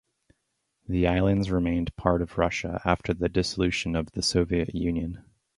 The islands remained part of Russia after the dissolution of the Soviet Union.